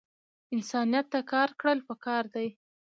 انسانیت ته کار کړل پکار دے